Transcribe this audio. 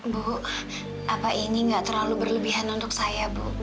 bu apa ini nggak terlalu berlebihan untuk saya bu